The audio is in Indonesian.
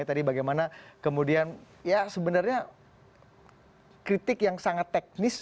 tadi bagaimana kemudian ya sebenarnya kritik yang sangat teknis